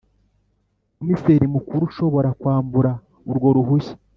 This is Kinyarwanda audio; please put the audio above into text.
Komiseri Mukuru ashobora kwambura urwo ruhushya